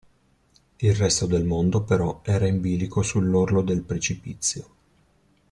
Il resto del mondo, però, era in bilico sull'orlo del precipizio.